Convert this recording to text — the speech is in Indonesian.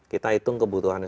kita hitung kebutuhannya